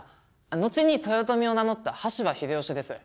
後に豊臣を名乗った羽柴秀吉です。